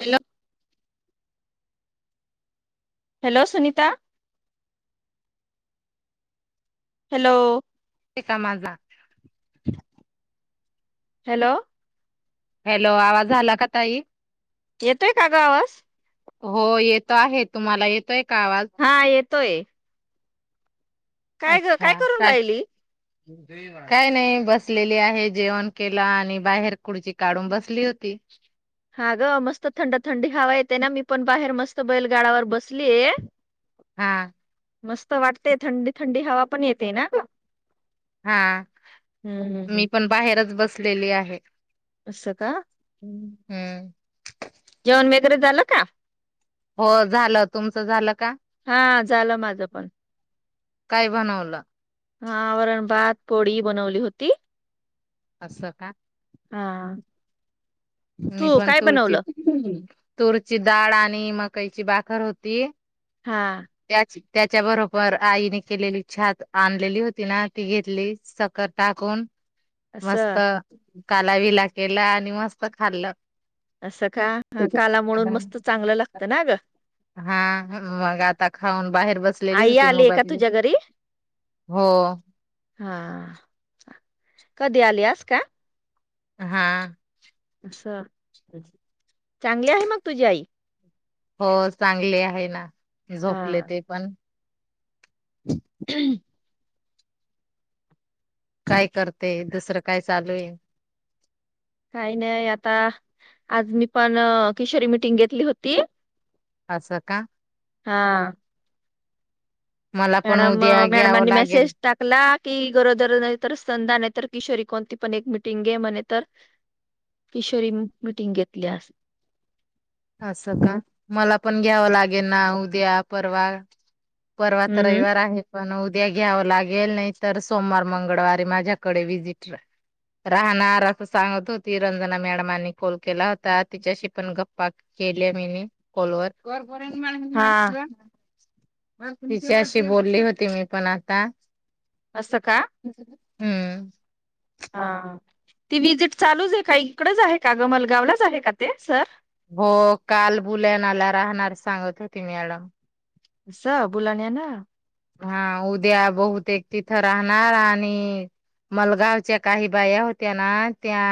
Hello hello Sunita hello का माझा hello hello आवाज आला का ताई येतय का गावाज हो येतो आहे तुम्हाला येतोय कावाज तय काय काय करून राहिली काय नाही बसलेली आहे जेवण केला आणि बाहेर कुढची काढून बसली होती हा ग मस्त थंड थंडी हावा येते ना मी पण बाहेर मस्त बैलगाडावर बसली हा मस्त वाटते थंडी थंडी हवा पण येते ना ग हा हम्म हम्म मी पण बाहेरच बस लेली आहे असत का हम्म जेवण म वगै झालं का हो झालं तुमचं झालं का हा झालं माझं पण काय बणावला हावरण भात पोळी बनवली होती असं का हा मी तू पण काय तुरची बनवलं तूरची डाळ आणि मकाईची बाखर होती हा त्या त्याच्या बरोबर आईने केलेली छात आणलेली होती ना ती घेतली सखर टाकून मस्त असं काला विला केला आणि मस्त खाल्ल असं का ह काला म्हणून मस्त चांगलं लागत ना ग हा मग आता खाऊन बाहेर बसलेली आई होती आलीय का मोबाईल तुझ्या घरी हो हा कधी आली आस का हा अस चांगली आहे मग तुझी आई हो चांगली आहे ना झोपले ते पण हम् काय करते दुसरं काय चालू आहे काही नाही आता आज मी पण किशोरी मिीटिंग घेतली होती असं का? हा. मला पण मॅडम, उद्या घ्यावं मॅडमांनी लागेल मेसेज टाकला कि गरोदर नाही तर स्तनदा नाहीत किशोरी- कोणती पण एक मिटिंग घे म्हणे, तर किशोरी मिटिंग घेतली अस- असं का? मला पण घ्यावं लागेल ना उद्या, परवा. परवा तर हम्म रविवार आहे, पण उ उदया घ्यावं लागेल नाही, तर- सोमवार, मंगळवारी माझ्या कडे विजिट राहणार, अस सांगत होती, रंजना मॅडमांनी कॉल केला होता, तिच्याशी पण ग पाक केले मी कॉलवर- हा [unintelligible] तिच्याशी बोलली होती, मी पण आता- असं का? हम्म. हा ती व्हिजिट चालूच आहे का? इकडच आहे का ग? मलगावलाच आहे का? ते सर. हो, काल बुलानाला राहणार सांगत होती, मॅडम. स बुलाण्या ना [unintelligible] हा उद्या बहुतेक तिथं राहणार आणि मलगावच्या काही बाया होत्या ना, त्या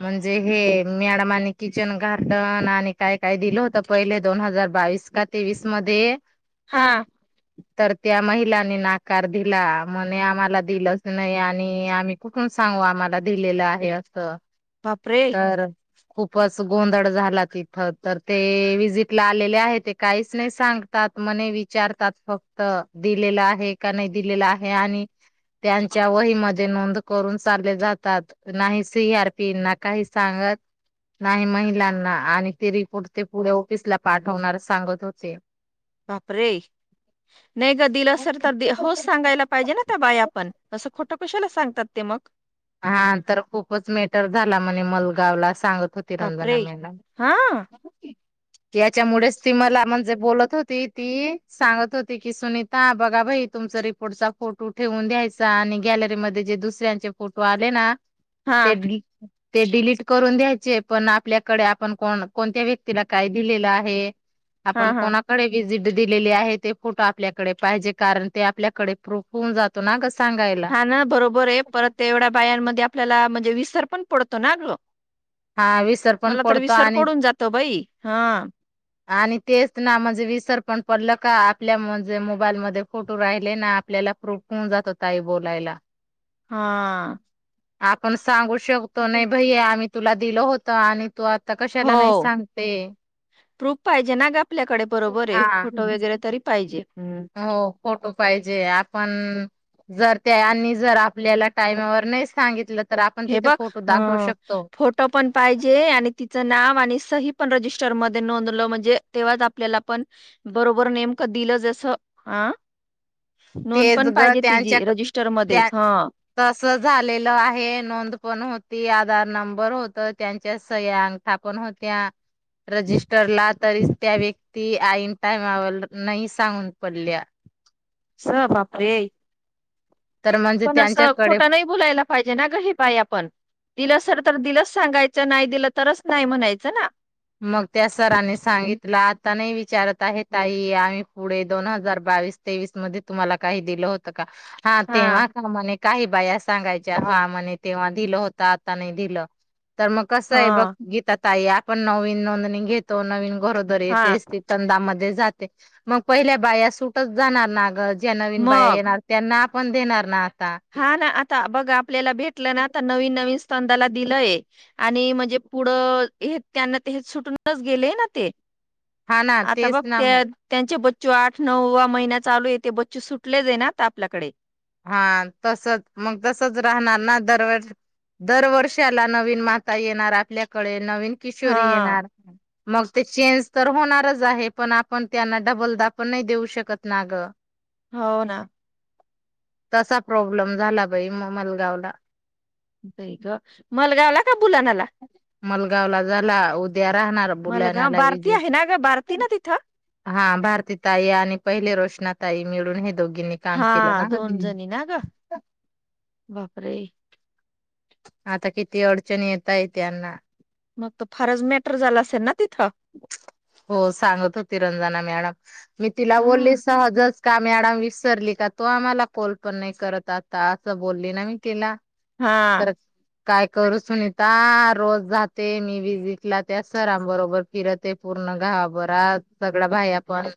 म्हणजे, हे मॅडमनी किचन गार्डन आणि काय काय दिलं होतं, पहिले दोन हजार बावीस का तेवीस मध्ये हा. तर त्या महिलांनी नाकार दिला म्हणे, आम्हाला दिलच नाही आणि आम्ही कुठून सांगू आम्हाला दिलेलं आहे, असं- बापरे तर खूपच गोंधळ झाला. तिथ तर ते विजिट ला आलेले आहे, ते काहीच नाही सांगतात म विचारतात फक्त दिलेला आहे का, नाही दिलेला आहे आणि त्यांच्या वहीमध्ये दिलेलं आहे का,? नाही दिलेलं आहे आणि त्यांच्या वहीमध्ये नोंद करून चालले जातात नाही सी आरपीना काही सांगत नाही महिलांना आणि ते रिपोर्ट ते पुढे ऑफिसला पाठवणार सांगत होते. बापरे. नाही ग दिलं असेल, तर होच सांगायला पाहिजे ना, त्या बाई आपण तसं खोटं कशाल अस- सांगतात ते मग- हा तर खूपच मेटर झाला म्हणे, मलगावला सांग- बापरे, हा. त्या- त्याच्यामुळेच ती मला म्हणजे बोलत होती ती सांगत होती की, सुनीता बघा भाई तुमचा रिपोर्टचा फोटो ठेवून द्यायचा आणि गॅलरीमध्ये जे दुसऱ्यांचे- फोटो आले ना हा ते- ते डिलीट करून द्यायचे, पण आपल्याकडे आपण को कोणत्या व्यक्तीला काय दिलेलं आहे- हा आपण हा कोणाकडे व्हीजीट दिलेली आहे ते फोटो आपल्याकडे पाहिजे कारण ते आपल्याकडे प्रूफ होऊन जातो ना- सांगायला हा ना बरोबर आहे, परत- तेवढ्या बायांमध्ये आपल्याला म्हणजे विसर पण पडतो ना अग- हा विसर पण मला तर पडतो विसर आणि पडून जातो बाई हा आणि तेच ना म्हणजे विसर पण पडल का आपल्या म्हणजे मोबाईल म फोटो राहिले ना आपल्याला प्रूफ होन जात होताई बोलायला हा आप पण सांगू शकतो नाही भै आम्ही तुला दिल होत आणि तू ता कशाला नाही हो सांगते प्रूफ पाहिजे ना ग आपल्याकडे बरोबर हा आहे फोटो वगैरे तरी पाहिजे हम्म. हो फोटो पाहिजे आपण जर त्या जर आपल्याला टाईमावर नाही सांगितलं तर आपण हे तिथे बघ फोटो ह दाखवू शकतो. फोटो पण पाहिजे आणि तिचं नाव आणि पण रिटर म नोंद म्हणजे तेव्हा आपल्याला पण बरोबर नेमकं दिलं जस तेच ग रजिस्टर मध्ये त्यांच्या हा तस झालेलं आहे नोंद पण होती आधार नंबर होत त्यांच्या सह्या अंगठा पण होत्या रजिस्टरला तरी त्या व्यक्ती आईन टाइमावर नाही सांगून पडल्या स बापे तर म्हणजे पण असं त्यांच्याकडे खोटं नाही बुलायला पाहिजे ना ग हे बा आपण दिल सर तर दिलच सांगायच नाही दिलं तरच नाही म्हणायचं ना मग त्या सरांनी सांगितलं आता नाही विचारत आहे आम्ही पुढे दोन हजार बावीस तेवीस मध्ये तुम्हाला काही दिलं होत हा तेव्हा का मने काही बाया सांगायच्या हा म्हणे तेव्हा दिलं होत आता नाही दिलं तर मग कसं आहे बघ हा गीतात तया पण नववीनो नि घयेतो नवीन घरोदरी हा येते असतील तंदामध्ये मग पहिल्या बाया सुट जाणार ना ज्या नवीन बाया मग येणार त्यांना पण देणार ना आता हा ना आता बघ आपल्याला भेटलं ना आता नवीन नवीन स्ंदाला दिलंय आणि म्हणजे पुढं त्यांना ते सुटूनच गेलेय ना ते हा ना आता तेच बघ ना त्या मग त्यांचे ब ो आठ नऊ वा महिना चालू येते बच्चू सुटलेच आहे ना त आपल्याकडे हा तसच मग तसच राहणार ना दरवर्ष दरवर्षाला नवीन माता येणार आपल्याकडे. नवीन किशोरी हा येणार. मग ते चेंज तर होणारच आहे, पण आपण त्यांना डबलदा पण नाही देऊ शकत ना ग. हो ना. तसा प्रॉब्लेम झाला बाई, मलगाव ला. बाई ग मागवला का. बुला नाला. मलगाव ला झाला, त्या राहणार, मलगाव बुलाण्याला भारती विजेट, आहे ना ग भारती ना तिथं हा भारती ताई आणि पहिले रोशना ताई मिळून. दोघींनी काम केलं हा ना दोन ग. जणी ना ग, बापरे. आता किती अडचणी येत. येत आहे त्यांना. मग त फारच मॅटर झाला असेल ना तिथं. हो सांगत होती रंजना मॅडम. मी तिला बोलली हा सहजच का मॅडम विसरली का. तो आम्हाला कॉल पण नाही करत आता, असं बोलली ना मी तिला. हा. काय करू सुन ता रोज जाते मी विजिटला त्या सरांबरोबर फिरते पूर्ण गावा बर सगळ्या भाई पण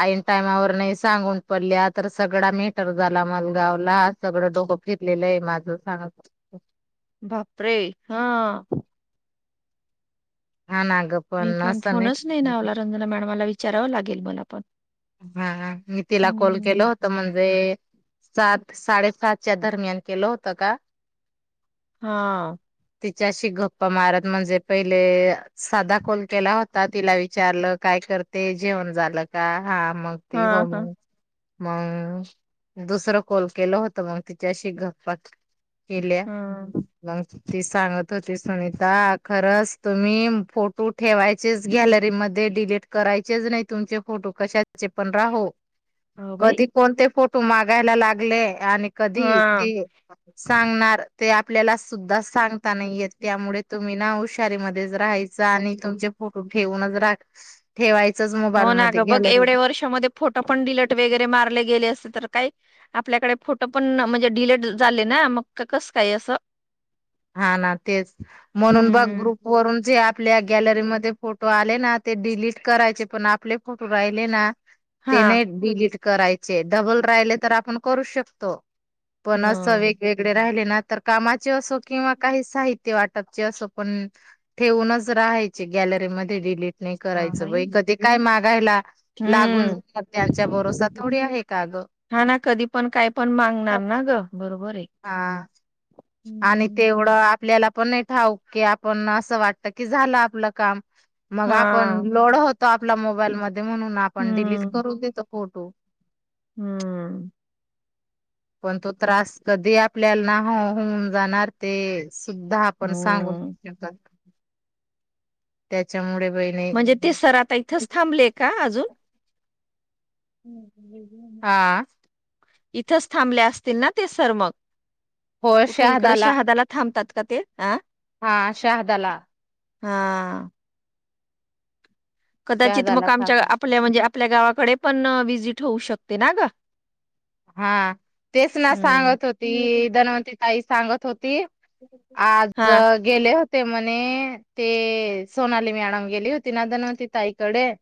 आईन टायमावर नाही सांगून पडल्या तर सगळा मेटर झाला मला गावला सगळं डोकं फिरलेलं आहे माझ सांगत बापरे हा हा ना ग मी पण असं फोनच नाही ना अवला रंजना मॅडमला विचार विचारावं लागेल मला पण. हा मी तिला कॉल केला होता हम्म. म्हणजे सात साडेसातच्या दरम्यान केलं होतं का? हां तिच्याशी गप्पा मारत म्हणजे पहिले साधा कॉल केेला होता. तिला विचारलं काय करते जेवण झाल का? हा मग ती हा हो हा म्हण मग दुसरं कोल केलं होतं. मग तिच्याशी गप्पात केल्या हा मंग ती सांगत होती सुनीता, खरंच तुम्ही फोटो ठेवायचेच गॅलरीमध्ये डिलीट करायचेच नाही तुमचे फोटो. कशाचे पण राहो. हो बाई कधी कोणते फोटो तू मागायला लागले. आणि हा कधी ते सांगणार ते आपल्याला सुद्धा सांगता नाहीयेत त्यामुळे तुम्ही ना हुशारी मध्येच राहायच आणि तुमचे फोटो ठेवूनच रा ठेवायच. तुमच्या मोबाईल मध्ये गॅलरीत. वढ्या वर्षामध्ये फोटो पण डिलीट वेगैरे मारले गेले असते तर काय आपल्याकडे फोटो पण म्हणजे डिलीट झाले ना मग कसं काय असं हां ना तेच म्हणून बघ हम्म ग्रुपवरून जे आप ल्या गॅलरीमध्ये फोटो आले ना ते डिलीट करायचे, पण आपले फोटो राहिले ना ते हा नाही डिलीट करायचे डबल राहिले तर आपण करू शकतो. पण असं ह वेगवेगळे राहिले ना तर कामाचे असो किंवा काही साहित्य वाटपचे असो, पण ठेवूनच राहायचे गॅलरीमध्ये डिलीट नाही करायचं बाई कधी काय माग गायला लागून हम्म [unintelligible] त्यांचा भरोसा थोडी आहे का गं? हा ना कधी पण काय पण मागणार ना ग बरोबर आहे. हां आणि हम्म. तेवढं आपल्याला पण नाही ठाऊक की आपण असं वाटतं की झालं आपलं काम मग आपण हा लोड होतो आपल्या मोबाईलमध्ये म्हणून आपण डिलीट हम्म करून देतो. फोटो. हम्म. पण तो त्रास कधी आपल्याला ना हं हू होऊन जाणार ते. सुद्धा आपण सांगू हम्म नाय शकत. त्याच्यामुळे. बहिणी म्हणजे ते सर आता इथंच थांबले का अजून? हां. इथंच थांबल्या असतील ना ते सर मग? कुठे इकड शहादाला थांबतात. [unintelligible] हा शहादाला. हां. कदाचित मग शहादाला थांब आमच्या आपल्या म्हणजे. आपल्या गावाकडे पण व्हिजिट होऊ शकते ना गं? हा तेच ना सांगत हम्म होती धनवंती ताई सांगत होती. आज हा गेले होते. ते म्हणे ते सोनाली मॅडम गेली होती ना, धनवती ताईकडे.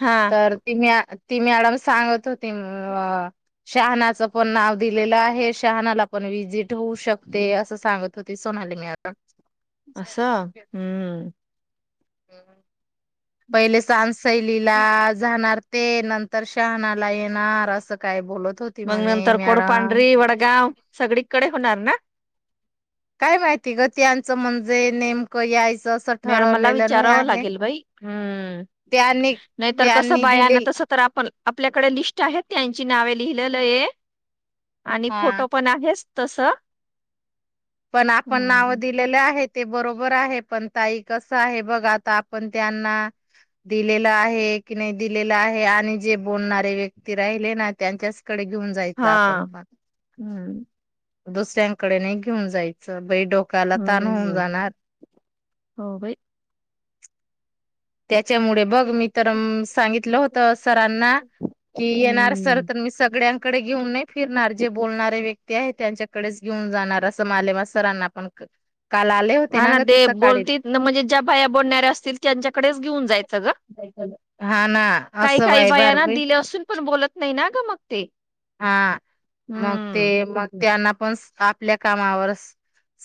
हा तर तीनं ती मॅडम सांगत होती अं. ! शहानाचं पण नाव दिलेलं आहे, शहानाला पण व्हिजिट होऊ शकते, असं सांगत होती सोनाली मॅडम. असं हू! [inaudible] पहिले सांस पलीला जाणार. ते नंतर शहानाला येणार, असं काय बोलत होती मंग म्हणे नंतर मॅडम कोडपांढरी, वडगाव सगळीकडे होणार ना? काय माहिती ग त्यांच म्हणजे नेमकं याय मला विचाराव लागेल बाई, हू त्यांनी नाहीतर कस त्यांनी बाया ना दिले तस तर आपण, आपल्याकडे लिस्ट आहे त्यांची नावे. लिहिलेलय. आणि हा फोटो पण आहेच तसं. पण आपण नाव हम्म. दिलेले आहे ते बरो बर आहे पण ताई कसं आहे बघ आता, आपण त्यांना दिलेलं आहे की नही दिलेलं आहे, आणि जे बोलणारे व्यक्ती राहिले ना त्यांच्या कडे घेऊन जायचं हा. आपण पण. हम्म. दुसऱ्यांकडे नही. ऊन जायचं बाई डोक काला ताण होऊन हम्म. जाणार. हो बाई. त्याच्यामुळे बघ मी तर सांगितलं होतंस. सरांना की येणार सर, हम्म. तर मी सगळ्यांकडे घेऊन नाही फिरणार. जे बोलणारे व्यक्ती आहे त्यांच्याकडेच घेऊन जाणार, असं मालेमा सरांना पण काल आले होते हा ना ग ते सकाळी बोलती म्हणजे, ज्या बाया बोलणाऱ्या असतील किंवा त्यांच्या इकडेच घेऊन जायचं ग हा ना काही, असं काही वायभार बायाना दिले असून पण बोलत नाही ना ग मग ते हा मग ते हूं मग त्यांना पण आपल्या कामावर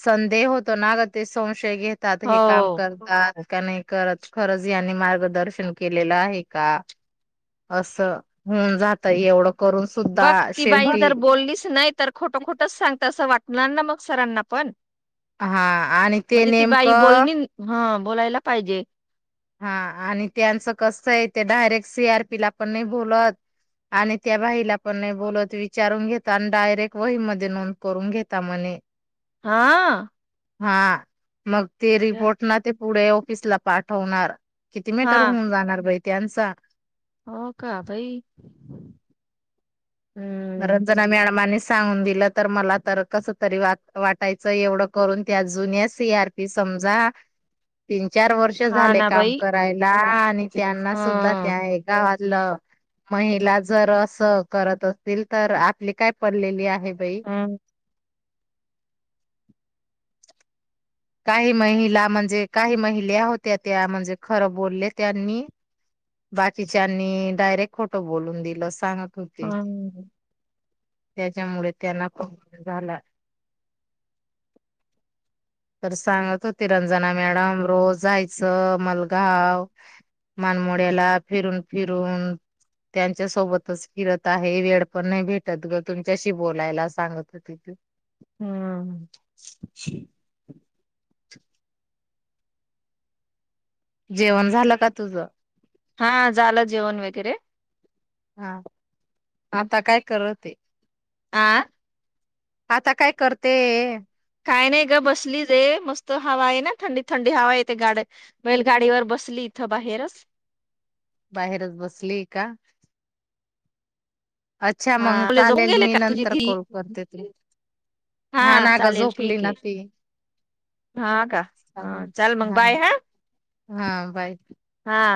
संदेह होतो ना गं ते स शय घेतात हे काम हो. करतात. का नाही करत. खरंच यांनी मार्गदर्शन केलेलं आहे का. असं होऊन जात एवढं करून बघ सुद्धा ती बाई जर शेवटी बोललीच नाही, तर खोटं खोटंच सांगता असं वाटणार ना मग. सरांना पण. हा आणि ते म्हणजे ती बाई नेमकं बोलणी हा बोलायला पाहिजे. हा आणि त्यांचं कस आहे, ते डायरेक्ट सी. आर. पीला पण नाही बोलवत, आणि त्या बाईला पण नाही बोलवत विचारून घेता आणि डायरेक्ट वही मध्ये नोंद करून घेता म्हणे. हां. हां. मग ते रिपोर्ट ना ते पुढे ऑफिसला पाठ ठवणार. किती मिटर हा होऊन जाणार बाई त्यांचा हो का बाई? परत हम्म. जरा मॅडमांनी सांगून दिलं तर मला तर कसंतरी व वाटायचं एवढं करून त्या जुन्या सी आर पी समजा चार वर्ष हा झाले ना काम बाई. करायला. आणि त्यांना सुद्धा त्या हम्म. हे गावात ल महिला जर असं करत अ सतील तर आपली काय पललेली आहे? बाई. हम्म. काही महिला म्हणजे काही महिल्या होत्या त्या म्हणजे खरं बोलले त्यांनी बाकीच्यांनी डायरेक्ट खोटं बोलून दिलं सांग हम्म. त्याच्यामुळे त्यांना [unintelligible] तर सांगत होते, रंजना मॅडम, रोज जायचं मलगाव, मानमोड्याला फिरून-फिरून त्यांच्या सोबतच फिरत आहे, वेळ पण नाही भेटत ग, तुमच्याशी बोलायला सांगत होती. हम्म. जेवण झालं का तुझ? हा झालं जेवण वगैरे. हा आता काय करते? आं. आता काय करते? काय नाही ग बसलीले मस्त हवा आहे ना, थंडी-थंडी हवा इथं गाड बैल गाडीवर बसली इथं बाहेरच. बाहेरच बसली का? अच्छा हा मग मुले झोपून चालेल गेले मी का तुझी नंतर ती कॉल करते तुला, हा ना गं चालेल झोपली ठीक ना आहे ती हा का चल मग हा बाय हा हा बाय. हा